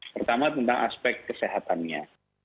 pertama tentang aspek kesehatannya